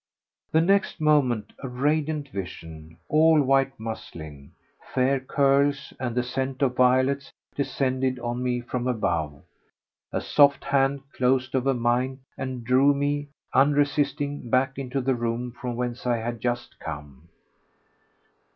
The next moment a radiant vision, all white muslin, fair curls and the scent of violets, descended on me from above, a soft hand closed over mine and drew me, unresisting, back into the room from whence I had just come.